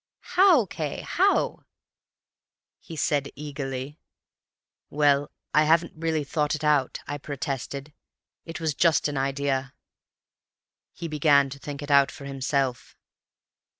"'How, Cay, how?' he said eagerly. "'Well, I haven't really thought it out,' I protested. 'It was just an idea.' "He began to think it out for himself.